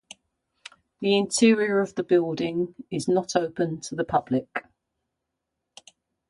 The interior of the building is not open to the public.